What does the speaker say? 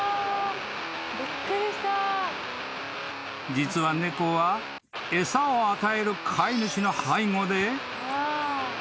［実は猫は餌を与える飼い主の背後で］